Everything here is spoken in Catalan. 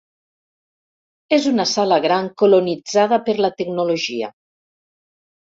És una sala gran colonitzada per la tecnologia.